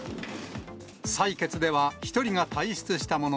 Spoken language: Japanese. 採決では１人が退出したもの